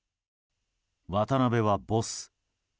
渡邉はボス。